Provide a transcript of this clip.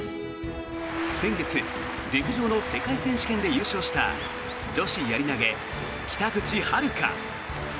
先月、陸上の世界選手権で優勝した女子やり投、北口榛花。